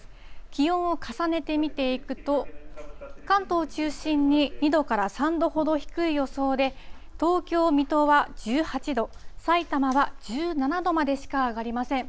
気温を重ねてみていくと、関東を中心に２度から３度ほど低い予想で、東京、水戸は１８度、さいたまは１７度までしか上がりません。